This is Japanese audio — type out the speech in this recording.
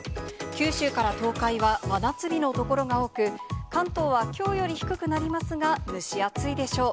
九州から東海は真夏日の所が多く、関東はきょうより低くなりますが、蒸し暑いでしょう。